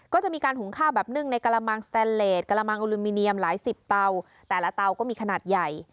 ก็จะมีการหุงข้าวแบบนึ่งในกระมังสแตนเลสกระมังโอลูมิเนียมหลายสิบเตาแต่ละเตาก็มีขนาดใหญ่